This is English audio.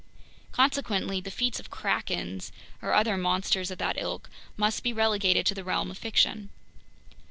Consequently, the feats of krakens or other monsters of that ilk must be relegated to the realm of fiction."